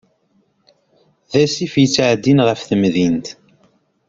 D asif yettεeddin ɣef temdint.